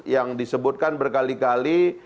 yang disebutkan berkali kali